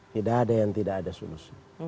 tidak ada yang tidak ada solusi